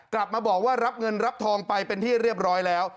กลับมาบอกว่ารับเงินรับทองไปเป็นที่เรียบร้อยแล้ว